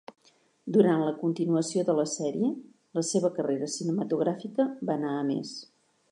Durant la continuació de la sèrie, la seva carrera cinematogràfica va anar a més.